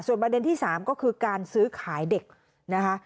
ประเด็นที่๓ก็คือการซื้อขายเด็กนะคะ